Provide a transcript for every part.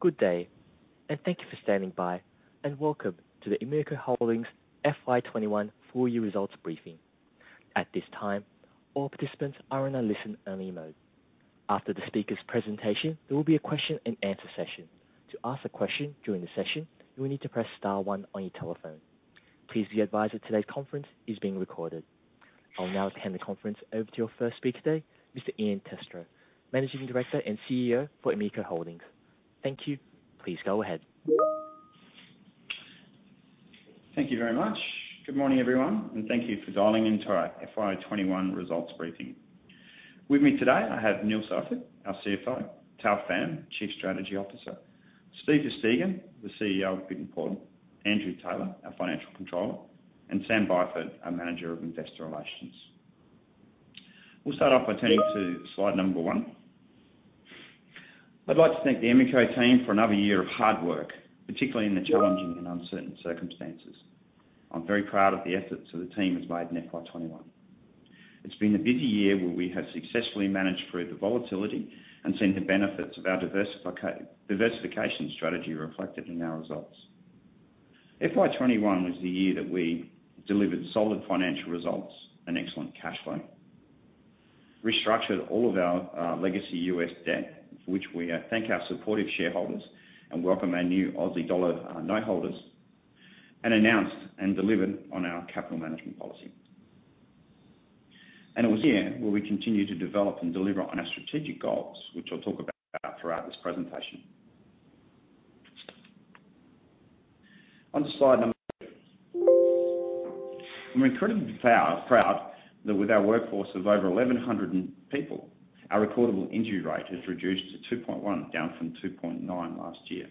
Good day, and thank you for standing by, and welcome to the Emeco Holdings FY 2021 Full Year Results briefing. At this time, all participants are in a listen-only mode. After the speaker's presentation, there will be a question-and-answer session. To ask a question during the session, you will need to press star one on your telephone. Please be advised that today's conference is being recorded. I will now hand the conference over to your first speaker today, Mr. Ian Testrow, Managing Director and CEO for Emeco Holdings. Thank you. Please go ahead. Thank you very much. Good morning, everyone, and thank you for dialing into our FY 2021 results briefing. With me today, I have Neil Siford, our CFO, Thao Pham, Chief Strategy Officer, Steve Versteegen, the CEO of Pit N Portal, Andrew Taylor, our Financial Controller, and Sam Byford, our Manager of Investor Relations. We'll start off by turning to slide number one. I'd like to thank the Emeco team for another year of hard work, particularly in the challenging and uncertain circumstances. I'm very proud of the efforts that the team has made in FY 2021. It's been a busy year where we have successfully managed through the volatility and seen the benefits of our diversification strategy reflected in our results. FY 2021 was the year that we delivered solid financial results and excellent cash flow, restructured all of our legacy U.S. debt, for which we thank our supportive shareholders and welcome our new Aussie dollar note holders, announced and delivered on our capital management policy. It was the year where we continued to develop and deliver on our strategic goals, which I'll talk about throughout this presentation. On to slide number two. We're incredibly proud that with our workforce of over 1,100 people, our recordable injury rate has reduced to 2.1, down from 2.9 last year.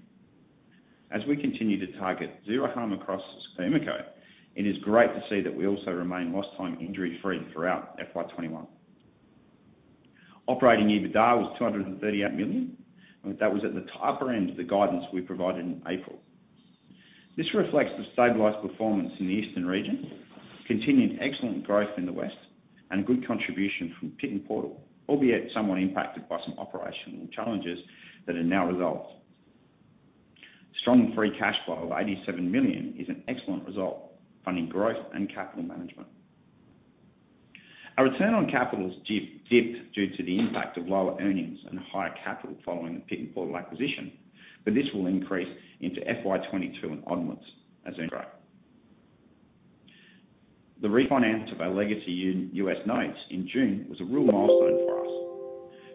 As we continue to target zero harm across Emeco, it is great to see that we also remain lost time injury-free throughout FY 2021. Operating EBITDA was $238 million, and that was at the upper end of the guidance we provided in April. This reflects the stabilized performance in the eastern region, continued excellent growth in the west, and good contribution from Pit N Portal, albeit somewhat impacted by some operational challenges that are now resolved. Strong free cash flow of $87 million is an excellent result, funding growth and capital management. Our return on capitals dipped due to the impact of lower earnings and higher capital following the Pit N Portal acquisition, but this will increase into FY 2022 and onwards as earnings grow. The refinance of our legacy U.S. notes in June was a real milestone for us.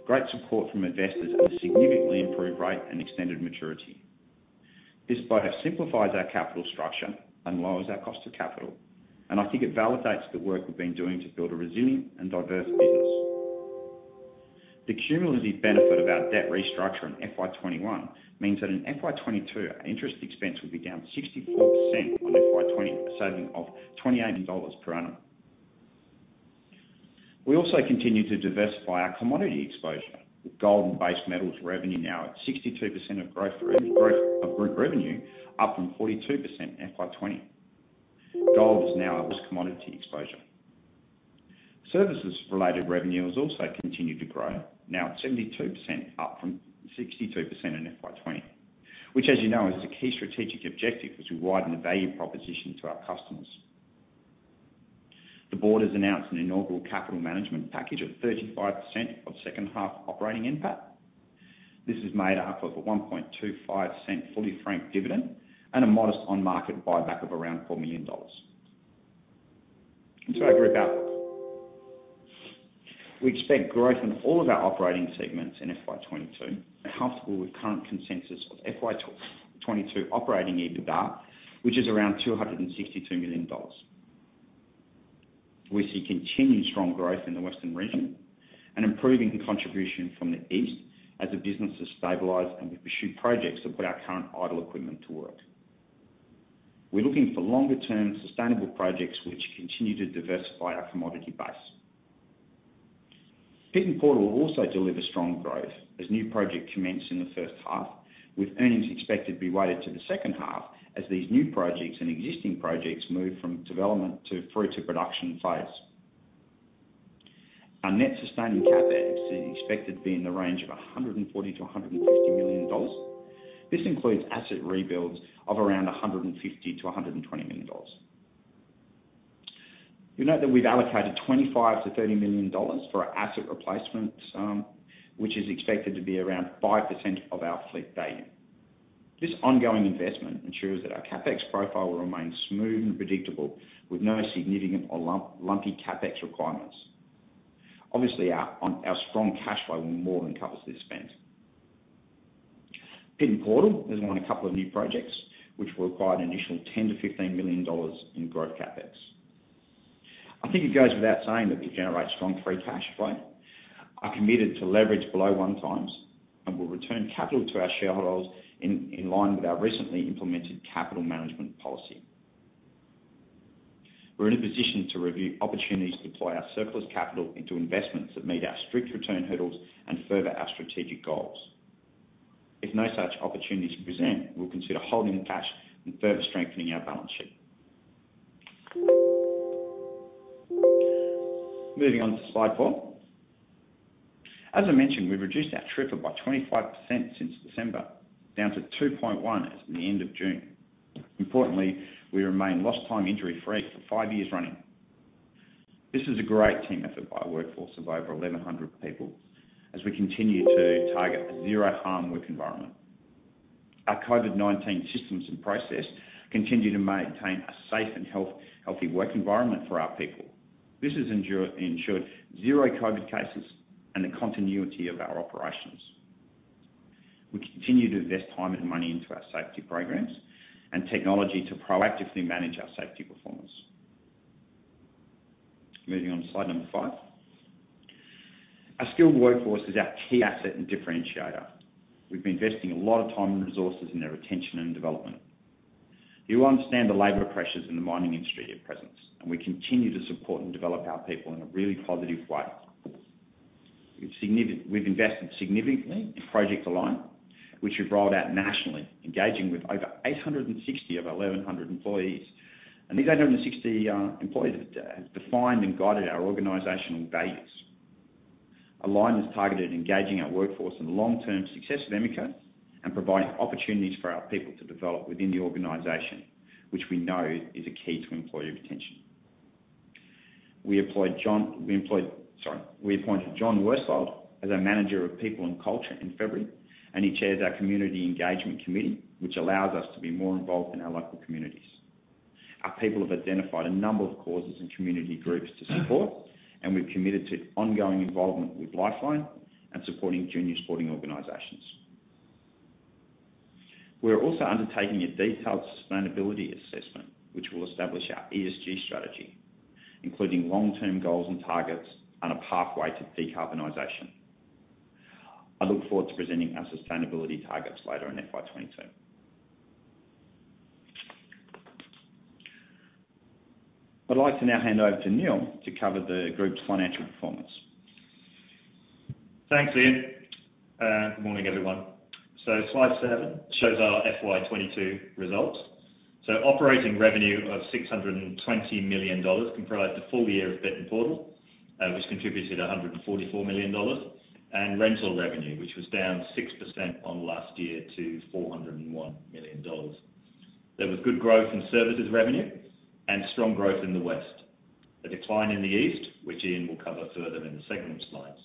Great support from investors and a significantly improved rate and extended maturity. This both simplifies our capital structure and lowers our cost of capital, and I think it validates the work we've been doing to build a resilient and diverse business. The cumulative benefit of our debt restructure in FY 2021 means that in FY 2022, our interest expense will be down 64% on FY 2020, a saving of $28 million per annum. We also continue to diversify our commodity exposure, with gold and base metals revenue now at 62% of group revenue, up from 42% in FY 2020. Gold is now our largest commodity exposure. Services-related revenue has also continued to grow, now at 72%, up from 62% in FY 2020, which as you know is a key strategic objective as we widen the value proposition to our customers. The board has announced an inaugural capital management package of 35% of second half operating NPAT. This is made up of an $0.0125 fully franked dividend and a modest on-market buyback of around $4 million. We expect growth in all of our operating segments in FY 2022 and are comfortable with current consensus of FY 2022 operating EBITDA, which is around $262 million. We see continued strong growth in the western region and improving contribution from the east as the business has stabilized and we pursue projects that put our current idle equipment to work. We're looking for longer-term, sustainable projects which continue to diversify our commodity base. Pit N Portal will also deliver strong growth as new project commence in the first half, with earnings expected to be weighted to the second half as these new projects and existing projects move from development to through to production phase. Our net sustaining CapEx is expected to be in the range of $140 million-$150 million. This includes asset rebuilds of around $150 million-$120 million. You'll note that we've allocated $25 million-$30 million for our asset replacement sum, which is expected to be around 5% of our fleet value. This ongoing investment ensures that our CapEx profile will remain smooth and predictable, with no significant or lumpy CapEx requirements. Our strong cash flow more than covers this spend. Pit N Portal has won a couple of new projects, which will require an initial $10 million-$15 million in growth CapEx. I think it goes without saying that we generate strong free cash flow. We are committed to leverage below 1x, and we'll return capital to our shareholders in line with our recently implemented capital management policy. We're in a position to review opportunities to deploy our surplus capital into investments that meet our strict return hurdles and further our strategic goals. If no such opportunities present, we'll consider holding the cash and further strengthening our balance sheet. Moving on to slide four. As I mentioned, we've reduced our TRIFR by 25% since December, down to 2.1 as at the end of June. Importantly, we remain lost time injury-free for five years running. This is a great team effort by a workforce of over 1,100 people, as we continue to target a zero-harm work environment. Our COVID-19 systems and process continue to maintain a safe and healthy work environment for our people. This has ensured zero COVID cases and the continuity of our operations. We continue to invest time and money into our safety programs and technology to proactively manage our safety performance. Moving on to slide number five. Our skilled workforce is our key asset and differentiator. We've been investing a lot of time and resources in their retention and development. We understand the labor pressures in the mining industry at present, we continue to support and develop our people in a really positive way. We've invested significantly in Project Align, which we've rolled out nationally, engaging with over 860 of our 1,100 employees. These 860 employees have defined and guided our organizational values. Align has targeted engaging our workforce in the long-term success of Emeco and providing opportunities for our people to develop within the organization, which we know is a key to employee retention. We appointed John Worsfold as our Manager of People and Culture in February, and he chairs our Community Engagement Committee, which allows us to be more involved in our local communities. Our people have identified a number of causes and community groups to support, we've committed to ongoing involvement with Lifeline and supporting junior sporting organizations. We're also undertaking a detailed sustainability assessment, which will establish our ESG strategy, including long-term goals and targets on a pathway to decarbonization. I look forward to presenting our sustainability targets later in FY 2022. I'd like to now hand over to Niel to cover the group's financial performance. Thanks, Ian. Good morning, everyone. Slide seven shows our FY 2022 results. Operating revenue of $620 million comprised a full year of Pit N Portal, which contributed $144 million, and rental revenue, which was down 6% on last year to $401 million. There was good growth in services revenue and strong growth in the West. A decline in the East, which Ian will cover further in the segment slides.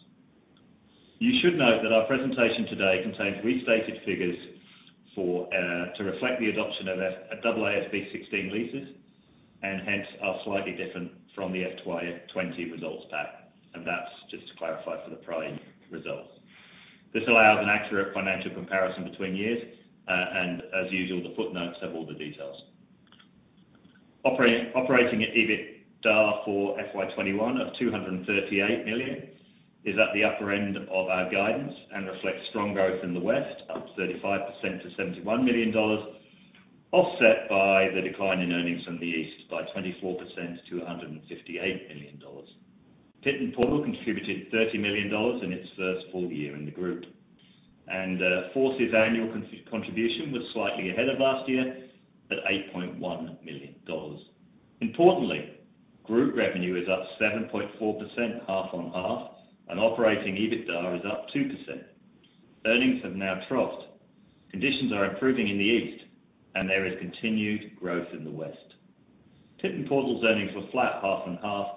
You should note that our presentation today contains restated figures to reflect the adoption of AASB 16 leases, and hence are slightly different from the FY 2020 results pack, and that's just to clarify for the prior year results. This allows an accurate financial comparison between years, and as usual, the footnotes have all the details. Operating EBITDA for FY 2021 of $238 million is at the upper end of our guidance and reflects strong growth in the West, up 35% to $71 million, offset by the decline in earnings from the East by 24% to $158 million. Pit N Portal contributed $30 million in its first full year in the group. FORCE's annual contribution was slightly ahead of last year at $8.1 million. Importantly, group revenue is up 7.4% half-on-half and operating EBITDA is up 2%. Earnings have now troughed. Conditions are improving in the East and there is continued growth in the West. Pit N Portal's earnings were flat half-on-half.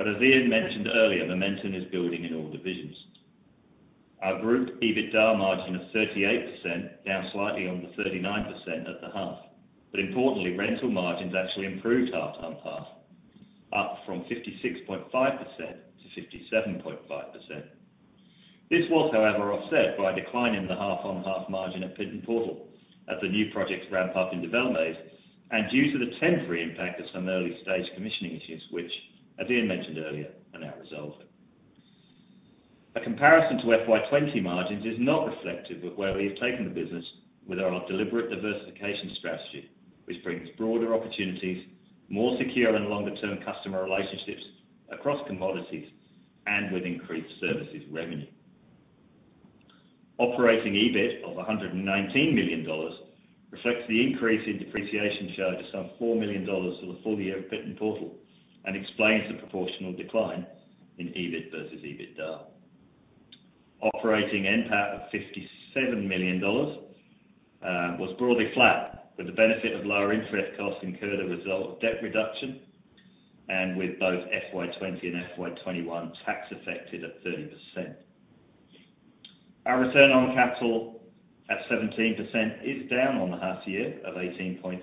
As Ian mentioned earlier, momentum is building in all divisions. Our group EBITDA margin of 38%, down slightly on the 39% at the half. Importantly, rental margins actually improved half-on-half, up from 56.5%-57.5%. This was, however, offset by a decline in the half-on-half margin at Pit N Portal as the new projects ramp up in Poitrel and due to the temporary impact of some early-stage commissioning issues which, as Ian mentioned earlier, are now resolving. A comparison to FY 2020 margins is not reflective of where we have taken the business with our deliberate diversification strategy, which brings broader opportunities, more secure and longer-term customer relationships across commodities, and with increased services revenue. Operating EBIT of $119 million reflects the increase in depreciation charge of some $4 million for the full year of Pit N Portal and explains the proportional decline in EBIT versus EBITDA. Operating NPAT of $57 million was broadly flat, with the benefit of lower interest costs incurred a result of debt reduction and with both FY 2020 and FY 2021 tax affected at 30%. Our return on capital at 17% is down on the half year of 18.7%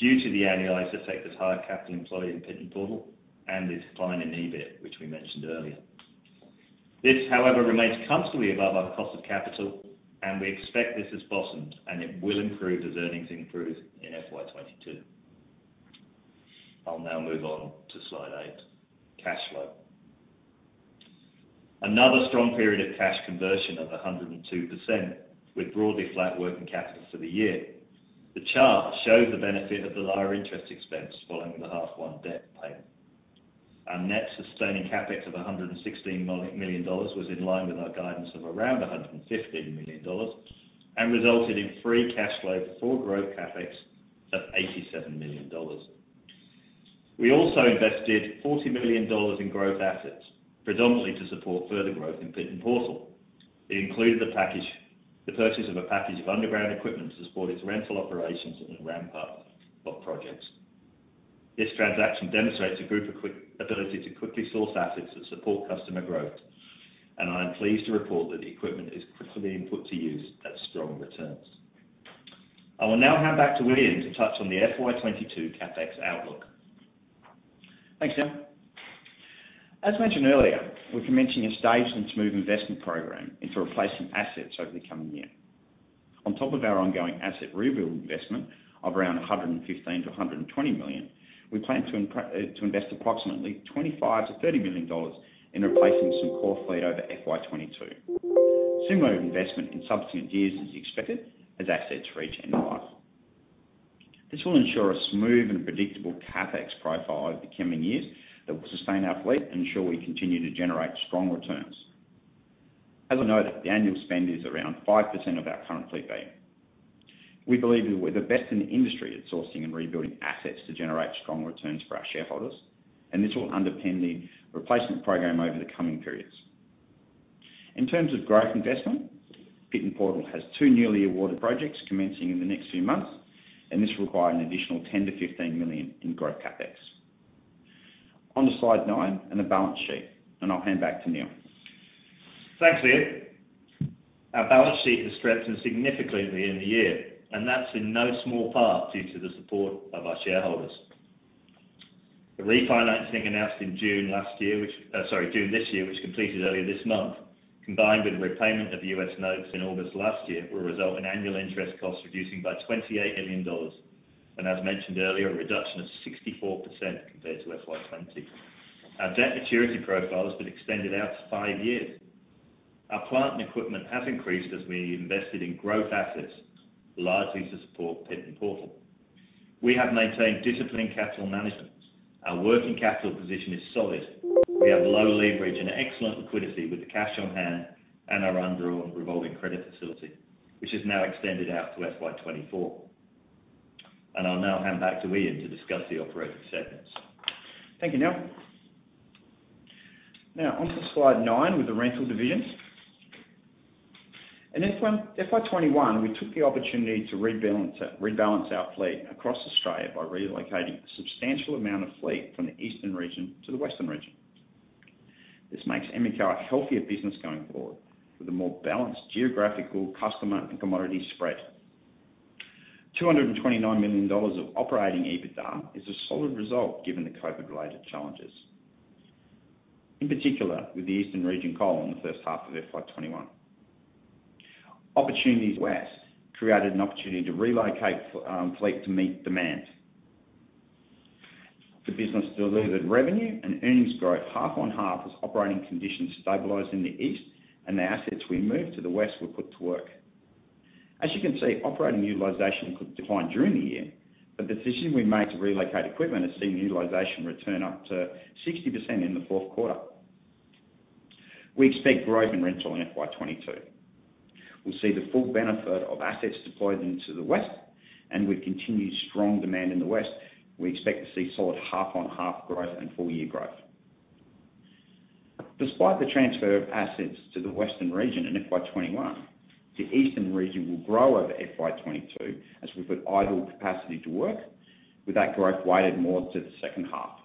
due to the annualized effect of higher capital employed in Pit N Portal and the decline in EBIT, which we mentioned earlier. This, however, remains comfortably above our cost of capital, and we expect this has bottomed, and it will improve as earnings improve in FY 2022. I'll now move on to slide eight, cash flow. Another strong period of cash conversion of 102% with broadly flat working capital for the year. The chart shows the benefit of the lower interest expense following the H1 debt payment. Our net sustaining CapEx of $116 million was in line with our guidance of around $115 million, and resulted in free cash flow for growth CapEx of $87 million. We also invested $40 million in growth assets, predominantly to support further growth in Pit N Portal. It included the purchase of a package of underground equipment to support its rental operations in the ramp-up of projects. This transaction demonstrates a group ability to quickly source assets that support customer growth, and I am pleased to report that the equipment is quickly input to use at strong returns. I will now hand back to Ian Testrow to touch on the FY 2022 CapEx outlook. Thanks, Neil. As mentioned earlier, we're commencing a staged and smooth investment program into replacing assets over the coming year. On top of our ongoing asset rebuild investment of around $115 million-$120 million, we plan to invest approximately $25 million-$30 million in replacing some core fleet over FY 2022. Similar investment in subsequent years is expected as assets reach end of life. This will ensure a smooth and predictable CapEx profile over the coming years that will sustain our fleet and ensure we continue to generate strong returns. As we know that the annual spend is around 5% of our current fleet value. We believe we're the best in the industry at sourcing and rebuilding assets to generate strong returns for our shareholders, and this will underpin the replacement program over the coming periods. In terms of growth investment, Pit N Portal has two newly awarded projects commencing in the next few months, and this will require an additional $10 million-$15 million in growth CapEx. On to slide nine and the balance sheet, and I'll hand back to Neil. Thanks, Ian. Our balance sheet has strengthened significantly at the end of the year, that's in no small part due to the support of our shareholders. The refinancing announced in June this year, which completed earlier this month, combined with repayment of U.S. notes in August last year, will result in annual interest costs reducing by $28 million, as mentioned earlier, a reduction of 64% compared to FY 2020. Our debt maturity profile has been extended out to five years. Our plant and equipment have increased as we invested in growth assets, largely to support Pit N Portal. We have maintained disciplined capital management. Our working capital position is solid. We have low leverage and excellent liquidity with the cash on hand and our undrawn revolving credit facility, which is now extended out to FY 2024. I'll now hand back to Ian to discuss the operating segments. Thank you, Neil. Now, on to slide nine with the rental divisions. In FY 2021, we took the opportunity to rebalance our fleet across Australia by relocating a substantial amount of fleet from the eastern region to the western region. This makes Emeco a healthier business going forward with a more balanced geographical customer and commodity spread. $229 million of operating EBITDA is a solid result given the COVID-related challenges. In particular, with the eastern region coal in the first half of FY 2021. Opportunities west created an opportunity to relocate fleet to meet demand. The business delivered revenue and earnings growth half-on-half as operating conditions stabilized in the east and the assets we moved to the west were put to work. As you can see, operating utilization declined during the year, but the decision we made to relocate equipment has seen utilization return up to 60% in the fourth quarter. We expect growth in rental in FY 2022. We'll see the full benefit of assets deployed into the west, and with continued strong demand in the west, we expect to see solid half-on-half growth and full-year growth. Despite the transfer of assets to the western region in FY 2021, the eastern region will grow over FY 2022 as we put idle capacity to work with that growth weighted more to the second half.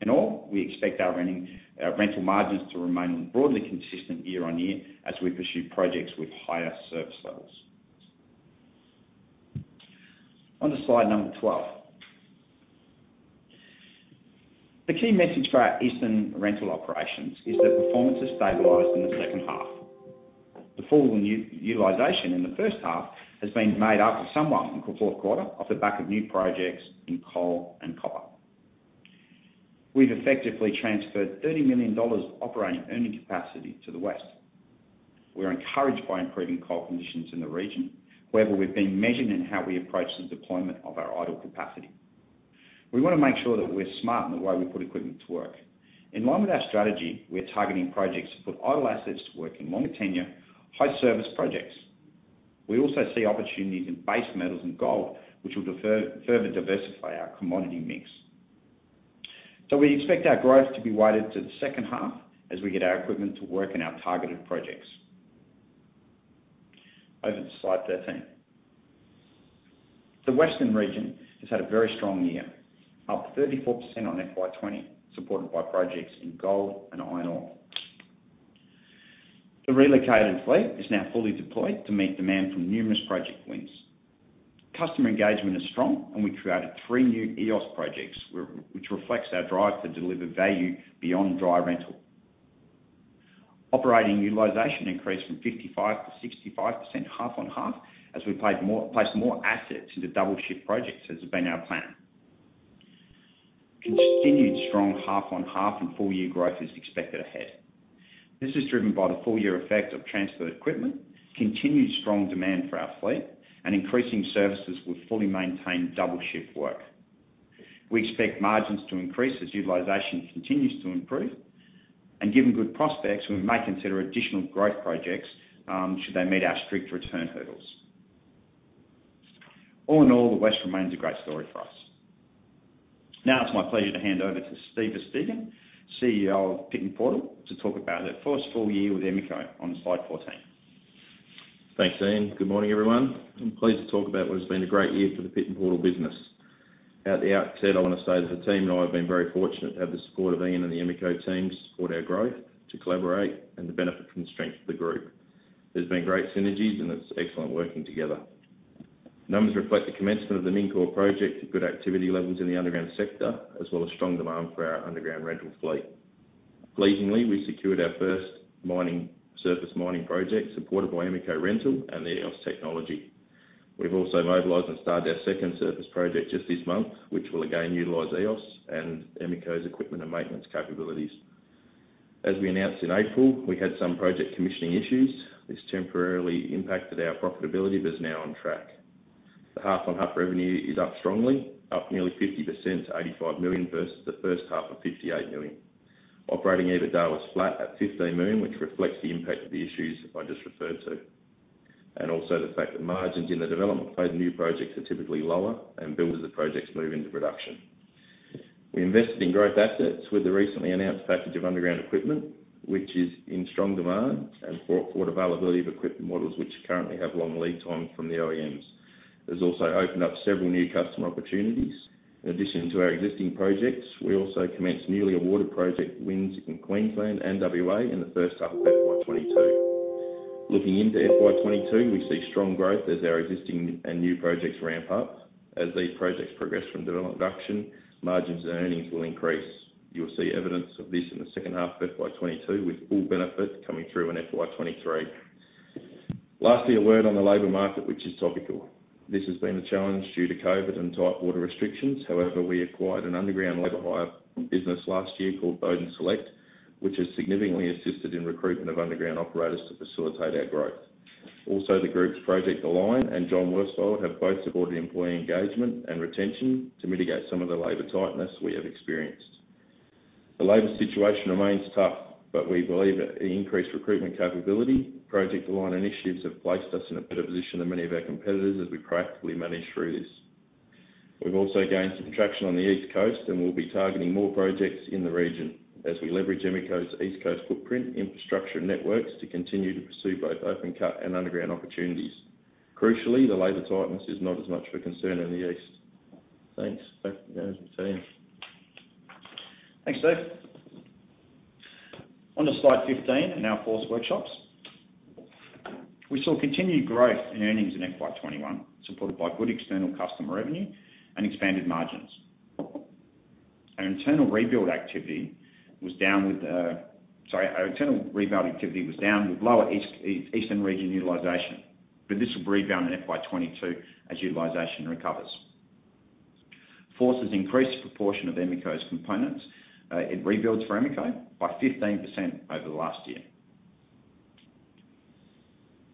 In all, we expect our rental margins to remain broadly consistent year-on-year as we pursue projects with higher service levels. On to slide number 12. The key message for our eastern rental operations is that performance has stabilized in the second half. The fall in utilization in the first half has been made up for somewhat in the fourth quarter off the back of new projects in coal and copper. We've effectively transferred $30 million of operating earning capacity to the west. We're encouraged by improving coal conditions in the region. We've been measured in how we approach the deployment of our idle capacity. We want to make sure that we're smart in the way we put equipment to work. In line with our strategy, we are targeting projects to put idle assets to work in long tenure, high service projects. We also see opportunities in base metals and gold, which will further diversify our commodity mix. We expect our growth to be weighted to the second half as we get our equipment to work in our targeted projects. Over to slide 13. The western region has had a very strong year, up 34% on FY 2020, supported by projects in gold and iron ore. The relocated fleet is now fully deployed to meet demand from numerous project wins. Customer engagement is strong. We created three new EOS projects, which reflects our drive to deliver value beyond dry rental. Operating utilization increased from 55%-65% half-on-half as we placed more assets into double-shift projects as has been our plan. Continued strong half-on-half and full-year growth is expected ahead. This is driven by the full-year effect of transferred equipment, continued strong demand for our fleet, and increasing services with fully maintained double-shift work. We expect margins to increase as utilization continues to improve. Given good prospects, we may consider additional growth projects, should they meet our strict return hurdles. All in all, the West remains a great story for us. It's my pleasure to hand over to Steve Versteegen, CEO of Pit N Portal, to talk about our first full year with Emeco on slide 14. Thanks, Ian. Good morning, everyone. I'm pleased to talk about what has been a great year for the Pit N Portal business. At the outset, I want to say that the team and I have been very fortunate to have the support of Ian and the Emeco team to support our growth, to collaborate, and to benefit from the strength of the group. There's been great synergies and it's excellent working together. The numbers reflect the commencement of the Mincor project and good activity levels in the underground sector, as well as strong demand for our underground rental fleet. Pleasingly, we secured our first surface mining project, supported by Emeco Rental and the EOS technology. We've also mobilized and started our second surface project just this month, which will again utilize EOS and Emeco's equipment and maintenance capabilities. As we announced in April, we had some project commissioning issues. This temporarily impacted our profitability but is now on track. The half-on-half revenue is up strongly, up nearly 50% to $85 million versus the first half of $58 million. Operating EBITDA was flat at $15 million, which reflects the impact of the issues I just referred to, and also the fact that margins in the development phase of new projects are typically lower than built as the projects move into production. We invested in growth assets with the recently announced package of underground equipment, which is in strong demand, and forward availability of equipment models which currently have long lead time from the OEMs. It has also opened up several new customer opportunities. In addition to our existing projects, we also commenced newly awarded project wins in Queensland and WA in the first half of FY 2022. Looking into FY 2022, we see strong growth as our existing and new projects ramp up. As these projects progress from development to production, margins and earnings will increase. You'll see evidence of this in the second half of FY 2022, with full benefits coming through in FY 2023. Lastly, a word on the labor market, which is topical. This has been a challenge due to COVID and tight border restrictions. However, we acquired an underground labor hire business last year called Bowden Select, which has significantly assisted in recruitment of underground operators to facilitate our growth. Also, the group's Project Align and John Worsfold have both supported employee engagement and retention to mitigate some of the labor tightness we have experienced. The labor situation remains tough, but we believe that the increased recruitment capability and Project Align initiatives have placed us in a better position than many of our competitors as we practically manage through this. We've also gained some traction on the East Coast, and we'll be targeting more projects in the region as we leverage Emeco's East Coast footprint, infrastructure, and networks to continue to pursue both open cut and underground opportunities. Crucially, the labor tightness is not as much of a concern in the East. Thanks. Back to the management team. Thanks, Steve. On to slide 15, now FORCE Workshops. We saw continued growth in earnings in FY 2021, supported by good external customer revenue and expanded margins. Our internal rebuild activity was down with, sorry, lower Eastern region utilization, but this will rebound in FY 2022 as utilization recovers. FORCE's increased proportion of Emeco's components in rebuilds for Emeco by 15% over the last year.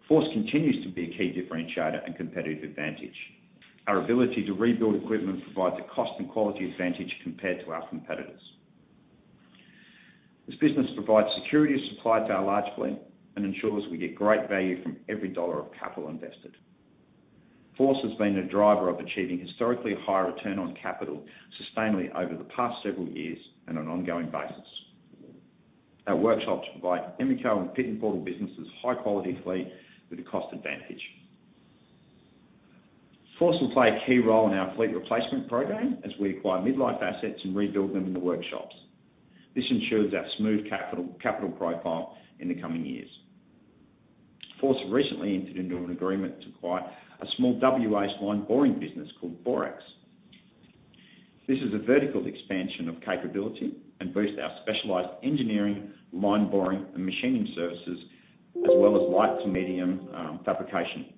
FORCE continues to be a key differentiator and competitive advantage. Our ability to rebuild equipment provides a cost and quality advantage compared to our competitors. This business provides security of supply to our large fleet and ensures we get great value from every dollar of capital invested. FORCE has been a driver of achieving historically high return on capital sustainably over the past several years and on an ongoing basis. Our workshops provide Emeco and Pit N Portal businesses high-quality fleet with a cost advantage. FORCE will play a key role in our fleet replacement program as we acquire mid-life assets and rebuild them in the workshops. This ensures our smooth capital profile in the coming years. FORCE recently entered into an agreement to acquire a small WA line boring business called Borex. This is a vertical expansion of capability and boosts our specialized engineering, line boring, and machining services, as well as light to medium fabrication.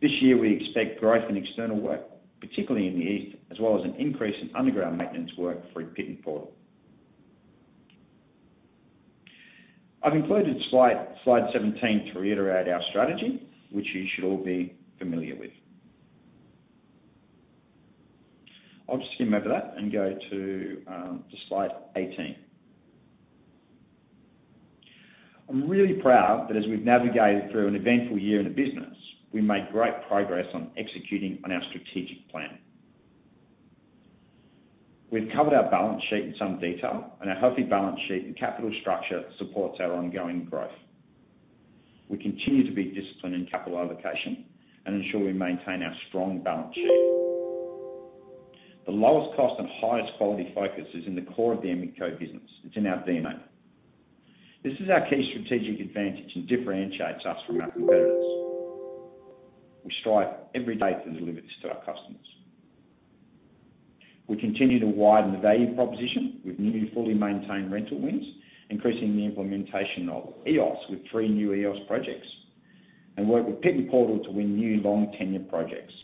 This year, we expect growth in external work, particularly in the East, as well as an increase in underground maintenance work for Pit N Portal. I've included slide 17 to reiterate our strategy, which you should all be familiar with. I'll just skim over that and go to slide 18. I'm really proud that as we've navigated through an eventful year in the business, we made great progress on executing on our strategic plan. We've covered our balance sheet in some detail, and a healthy balance sheet and capital structure supports our ongoing growth. We continue to be disciplined in capital allocation and ensure we maintain our strong balance sheet. The lowest cost and highest quality focus is in the core of the Emeco business. It's in our DNA. This is our key strategic advantage and differentiates us from our competitors. We strive every day to deliver this to our customers. We continue to widen the value proposition with new fully maintained rental wins, increasing the implementation of EOS with three new EOS projects, and work with Pit N Portal to win new long-tenure projects.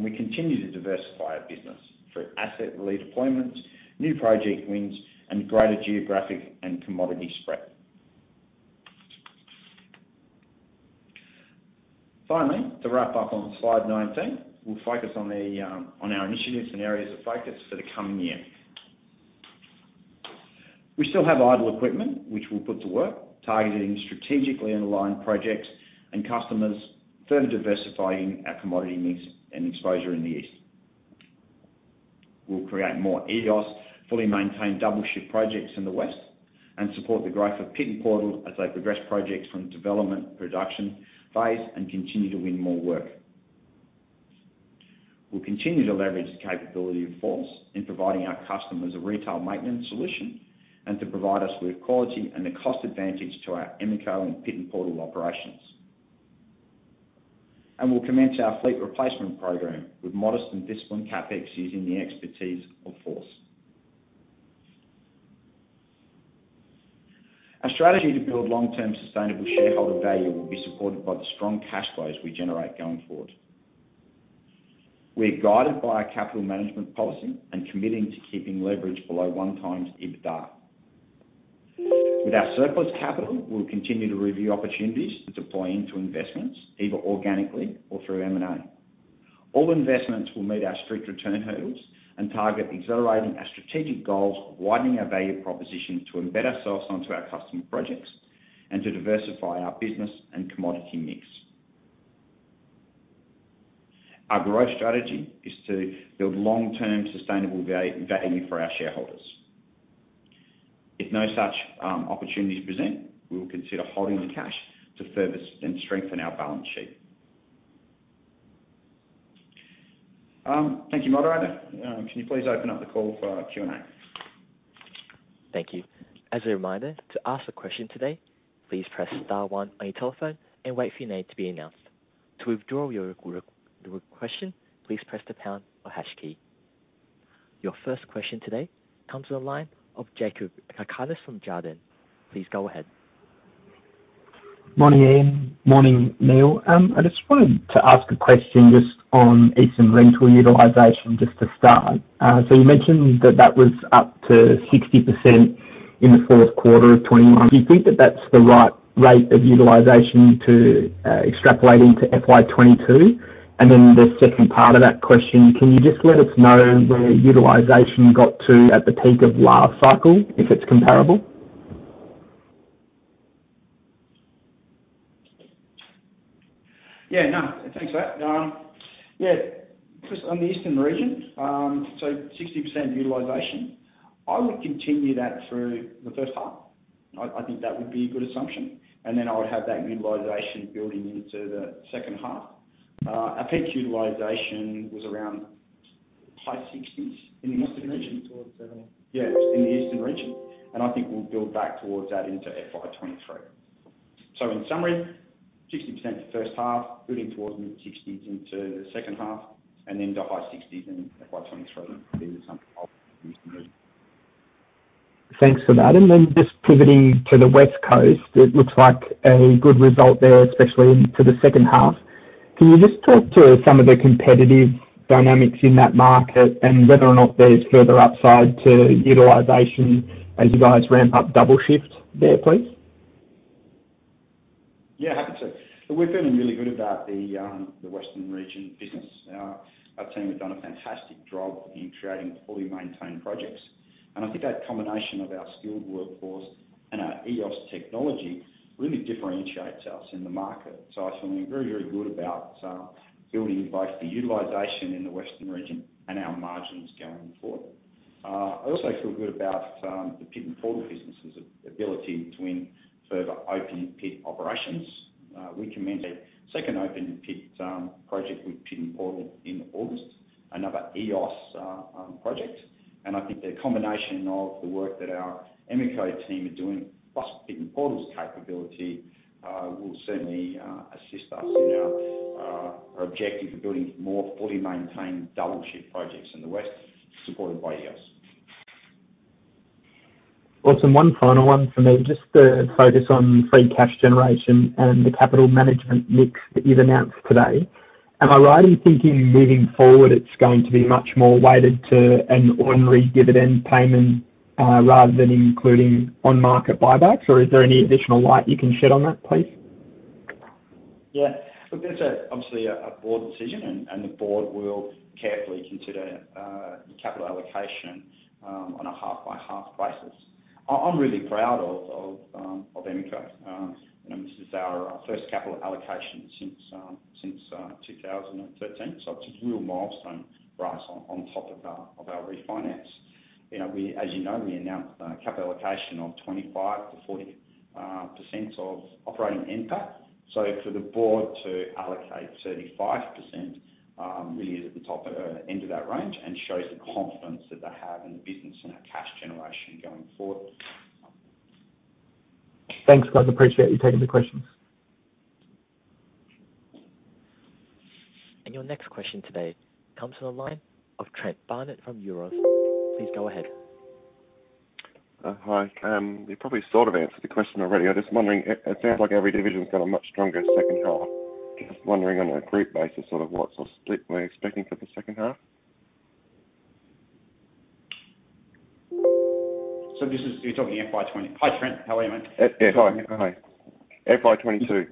We continue to diversify our business through asset redeployments, new project wins, and greater geographic and commodity spread. Finally, to wrap up on slide 19, we'll focus on our initiatives and areas of focus for the coming year. We still have idle equipment, which we'll put to work targeting strategically and aligned projects and customers, further diversifying our commodity mix and exposure in the East. We'll create more EOS, fully maintained double-shift projects in the West, and support the growth of Pit N Portal as they progress projects from the development production phase and continue to win more work. We'll continue to leverage the capability of FORCE in providing our customers a retail maintenance solution and to provide us with quality and the cost advantage to our Emeco and Pit N Portal operations. We'll commence our fleet replacement program with modest and disciplined CapEx using the expertise of FORCE. Our strategy to build long-term sustainable shareholder value will be supported by the strong cash flows we generate going forward. We're guided by a capital management policy and committing to keeping leverage below 1x EBITDA. With our surplus capital, we'll continue to review opportunities to deploy into investments either organically or through M&A. All investments will meet our strict return hurdles and target accelerating our strategic goals of widening our value proposition to embed ourselves onto our customer projects and to diversify our business and commodity mix. Our growth strategy is to build long-term sustainable value for our shareholders. If no such opportunities present, we will consider holding the cash to further strengthen our balance sheet. Thank you, moderator. Can you please open up the call for Q&A? Thank you. As a reminder, to ask a question today, please press star one on your telephone and wait for your name to be announced. To withdraw your question, please press the pound or hash key. Your first question today comes from the line of Jakob Cakarnis from Jarden. Please go ahead. Morning, Ian. Morning, Neil. I just wanted to ask a question just on Emeco's rental utilization just to start. You mentioned that that was up to 60% in the fourth quarter of FY 2021. Do you think that that's the right rate of utilization to extrapolate into FY 2022? The second part of that question, can you just let us know where utilization got to at the peak of last cycle, if it's comparable? Thanks for that. Just on the Eastern Region, 60% utilization. I would continue that through the first half. I think that would be a good assumption. I would have that utilization building into the second half. Our peak utilization was around high 60s in the Eastern Region? Towards 70. Yeah. In the Eastern region. I think we'll build back towards that into FY 2023. In summary, 60% the first half, building towards mid-60s into the second half, and then to high 60s in FY 2023 is the assumption I would use for me. Thanks for that. Just pivoting to the West Coast, it looks like a good result there, especially for the second half. Can you just talk to some of the competitive dynamics in that market and whether or not there's further upside to utilization as you guys ramp up double shift there, please? Happy to. We're feeling really good about the Western region business. Our team have done a fantastic job in creating fully maintained projects. I think that combination of our skilled workforce and our EOS technology really differentiates us in the market. I feel very good about building both the utilization in the Western region and our margins going forward. I also feel good about the Pit N Portal business's ability to win further open pit operations. We commenced a second open pit project with Pit N Portal in August, another EOS project. I think the combination of the work that our Emeco team are doing, plus Pit N Portal's capability, will certainly assist us in our objective of building more fully maintained double shift projects in the West supported by EOS. Awesome. One final one for me, just to focus on free cash generation and the capital management mix that you've announced today. Am I right in thinking moving forward, it's going to be much more weighted to an ordinary dividend payment, rather than including on-market buybacks? Is there any additional light you can shed on that, please? Look, that's obviously a board decision, and the board will carefully consider capital allocation on a half-by-half basis. I'm really proud of Emeco. This is our first capital allocation since 2013, so it's a real milestone for us on top of our refinance. As you know, we announced a capital allocation of 25%-40% of operating NPAT. For the board to allocate 35% really is at the top end of that range and shows the confidence that they have in the business and our cash generation going forward. Thanks, guys. Appreciate you taking the questions. Your next question today comes from the line of Trent Barnett from Euroz. Please go ahead. Hi. You probably sort of answered the question already. I'm just wondering, it sounds like every division's got a much stronger second half. Just wondering on a group basis, what split we're expecting for the second half? This is, you're talking FY 2020. Hi, Trent. How are you, mate? Yeah. Hi. FY 2022.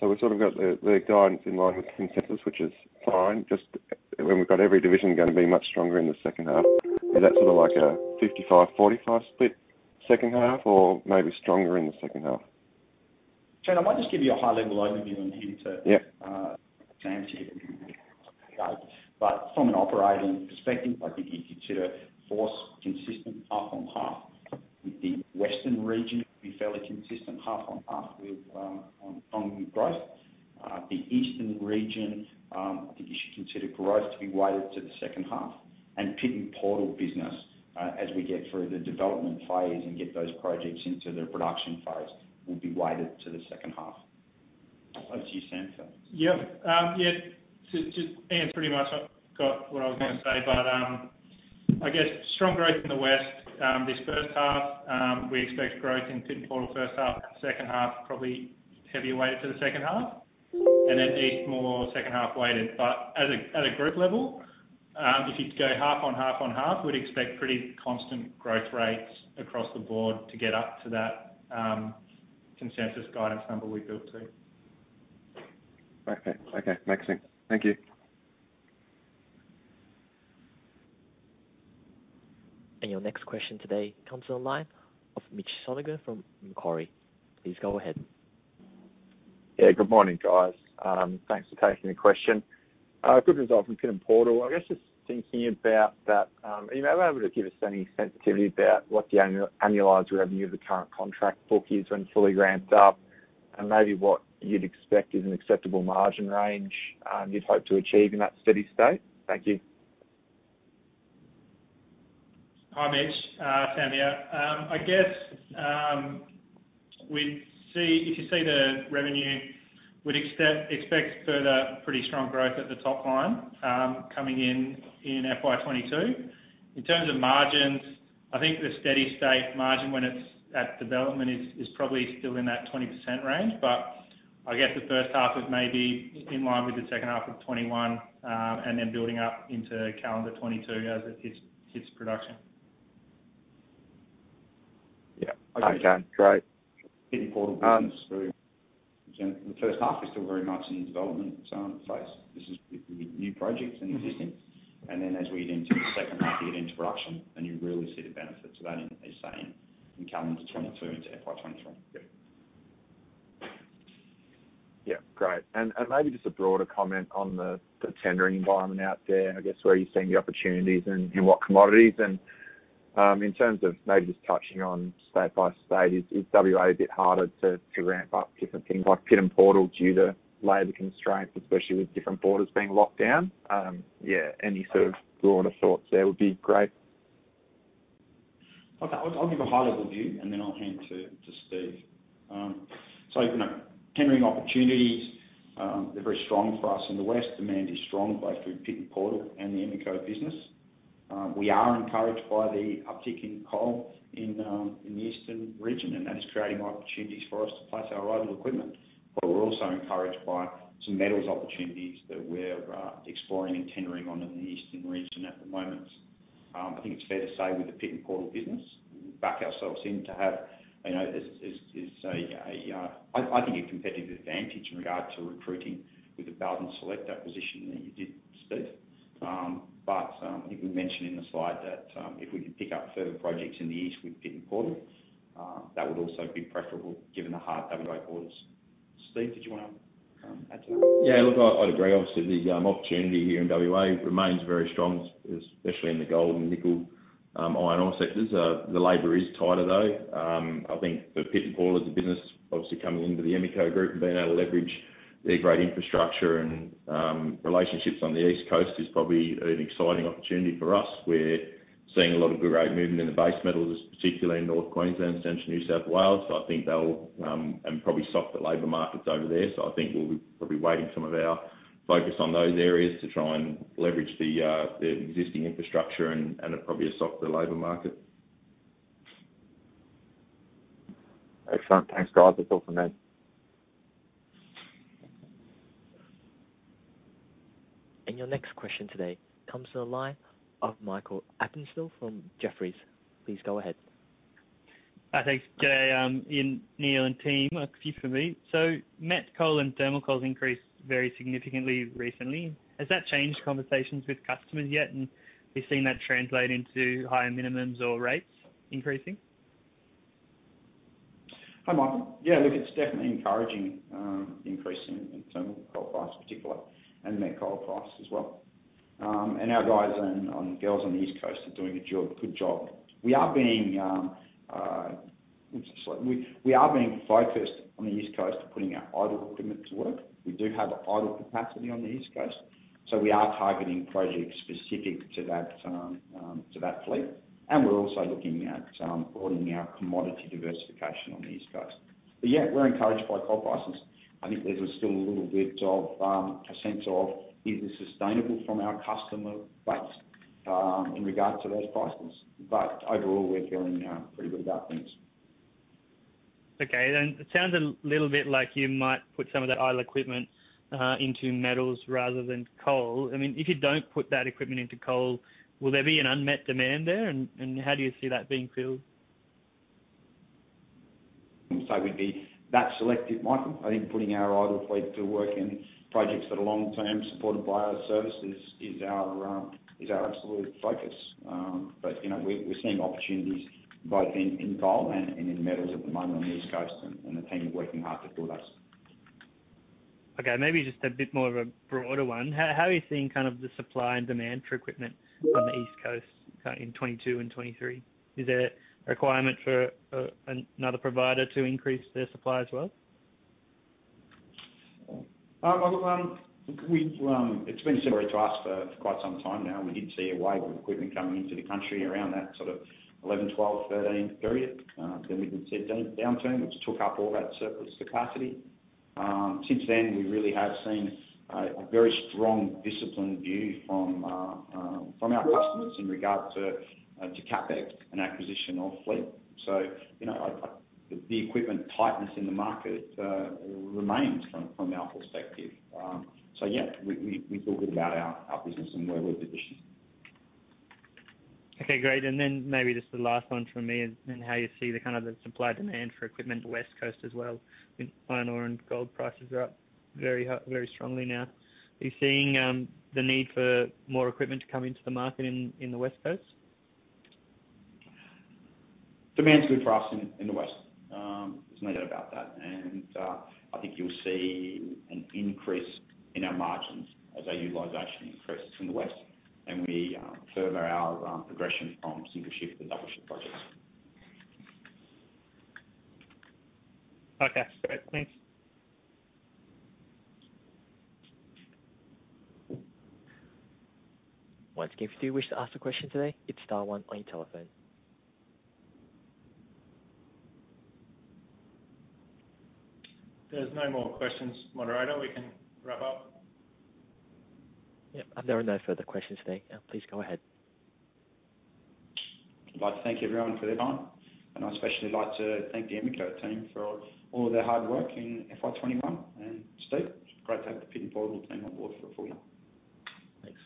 We sort of got the guidance in line with consensus, which is fine. Just when we've got every division going to be much stronger in the second half. Is that sort of like a 55, 45 split second half or maybe stronger in the second half? Trent, I might just give you a high-level overview on here. Yeah Sam, from an operating perspective, I think you'd consider FORCE consistent half-on-half. The Western region, it would be fairly consistent half-on-half on growth. The Eastern region, I think you should consider growth to be weighted to the second half. Pit N Portal business, as we get through the development phase and get those projects into the production phase, will be weighted to the second half. Over to you, Sam. Yeah. Ian Testrow pretty much got what I was going to say. I guess strong growth in the west. This first half, we expect growth in Pit N Portal first half, second half, probably heavier weighted to the second half. Then east more second half weighted. At a group level, if you go half-on-half, we'd expect pretty constant growth rates across the board to get up to that consensus guidance number we built to. Okay. Thanks. Thank you. Your next question today comes on the line of Mitchell Sonogan from Macquarie. Please go ahead. Yeah, good morning, guys. Thanks for taking the question. Good result from Pit N Portal. I guess just thinking about that, are you able to give us any sensitivity about what the annualized revenue of the current contract book is when fully ramped up? Maybe what you'd expect is an acceptable margin range you'd hope to achieve in that steady state. Thank you. Hi, Mitch. Sam here. I guess, if you see the revenue, we'd expect further pretty strong growth at the top line coming in FY 2022. In terms of margins, I think the steady state margin when it's at development is probably still in that 20% range. I guess the first half is maybe in line with the second half of 2021, and then building up into calendar 2022 as it hits production. Yeah. Okay, great. Pit N Portal business really, the first half is still very much in the development phase. This is with new projects and existing. As we get into the second half, you get into production, and you really see the benefits of that in, as Sam in calendar 2022 into FY 2023. Yeah. Yeah. Great. Maybe just a broader comment on the tendering environment out there, I guess, where you're seeing the opportunities and in what commodities. In terms of maybe just touching on state by state, is W.A. a bit harder to ramp up different things like Pit N Portal due to labor constraints, especially with different borders being locked down? Any sort of broader thoughts there would be great. Okay. I'll give a high-level view, and then I'll hand to Steve. Look, tendering opportunities, they're very strong for us in the West. Demand is strong both through Pit N Portal and the Emeco business. We are encouraged by the uptick in coal in the Eastern region, and that is creating opportunities for us to place our idle equipment. We're also encouraged by some metals opportunities that we're exploring and tendering on in the Eastern region at the moment. I think it's fair to say with the Pit N Portal business, we back ourselves in to have a competitive advantage in regard to recruiting with the Bowden Select acquisition that you did, Steve. I think we mentioned in the slide that if we could pick up further projects in the east with Pit N Portal, that would also be preferable given the hard W.A. borders. Steve, did you want to add to that? Yeah, look, I'd agree. Obviously, the opportunity here in W.A. remains very strong, especially in the gold and nickel, iron ore sectors. The labor is tighter, though. I think for Pit N Portal as a business, obviously coming into the Emeco Group and being able to leverage their great infrastructure and relationships on the East Coast is probably an exciting opportunity for us. We're seeing a lot of great movement in the base metals, particularly in North Queensland, central New South Wales. Probably softer labor markets over there. I think we'll be probably weighting some of our focus on those areas to try and leverage the existing infrastructure and a probably a softer labor market. Excellent. Thanks, guys. That's all from me. Your next question today comes to the line of Michael Aspinall from Jefferies. Please go ahead. Thanks. G'day, Ian, Neil, and team. Mike Aspinall here. Met coal and thermal coal increased very significantly recently. Has that changed conversations with customers yet? Have you seen that translate into higher minimums or rates increasing? Hi, Michael. Yeah, look, it's definitely encouraging, the increase in thermal coal price particular and met coal price as well. Our guys and girls on the East Coast are doing a good job. We are being focused on the East Coast putting our idle equipment to work. We do have idle capacity on the East Coast, so we are targeting projects specific to that fleet. We're also looking at broadening our commodity diversification on the East Coast. Yeah, we're encouraged by coal prices. I think there's still a little bit of a sense of is this sustainable from our customer base in regards to those prices. Overall, we're feeling pretty good about things. Okay, it sounds a little bit like you might put some of that idle equipment into metals rather than coal. If you don't put that equipment into coal, will there be an unmet demand there? How do you see that being filled? We'd be that selective, Michael. I think putting our idle fleet to work in projects that are long-term, supported by our services is our absolute focus. We're seeing opportunities both in coal and in metals at the moment on the East Coast, and the team are working hard to build those. Maybe just a bit more of a broader one. How are you seeing the supply and demand for equipment on the East Coast in 2022 and 2023? Is there a requirement for another provider to increase their supply as well? Michael, it's been similar to us for quite some time now. We did see a wave of equipment coming into the country around that sort of 2011, 2012, 2013 period. Then we did see a deep downturn, which took up all that surplus capacity. Since then, we really have seen a very strong, disciplined view from our customers in regard to CapEx and acquisition of fleet. The equipment tightness in the market remains from our perspective. Yeah, we feel good about our business and where we're positioned. Okay, great. Maybe just the last one from me is in how you see the supply-demand for equipment West Coast as well. With iron ore and gold prices are up very strongly now. Are you seeing the need for more equipment to come into the market in the West Coast? Demand's good for us in the west. There's no doubt about that. I think you'll see an increase in our margins as our utilization increases in the west and we further our progression from single shift to double shift projects. Okay, great. Thanks. Once again, if you do wish to ask a question today, hit star one on your telephone. If there's no more questions, moderator, we can wrap up. Yep. There are no further questions today. Please go ahead. I'd like to thank everyone for their time, and I'd especially like to thank the Emeco team for all of their hard work in FY 2021. Steve, it's great to have the Pit N Portal team on board for a full year. Thanks.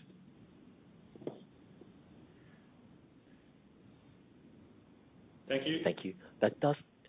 Thank you. Thank you. That does.